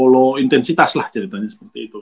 law intensitas lah ceritanya seperti itu